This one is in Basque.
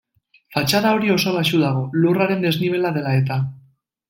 Fatxada hori oso baxu dago, lurraren desnibela dela eta.